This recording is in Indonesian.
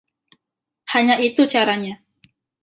Hanya itu caranya.